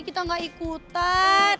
kita gak ikutan